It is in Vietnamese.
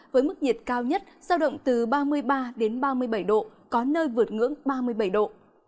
với mức nhiệt cao nhất giao động từ ba mươi ba đến ba mươi bảy độ có nơi vượt ngưỡng ba mươi bảy độ